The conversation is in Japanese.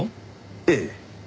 ええ。